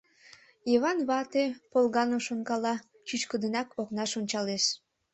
Йыван вате полганым шонкала, чӱчкыдынак окнаш ончалеш.